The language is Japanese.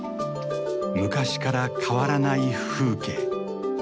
昔から変わらない風景。